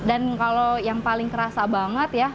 dan kalau yang paling kerasa banget ya